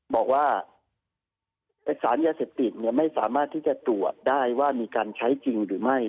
บอกว่าเอกสารยาเสพติดไม่สามารถที่จะตรวจได้ว่ามีการใช้จริงหรือไม่